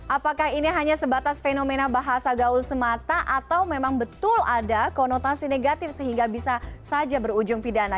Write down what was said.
apakah ini hanya sebatas fenomena bahasa gaul semata atau memang betul ada konotasi negatif sehingga bisa saja berujung pidana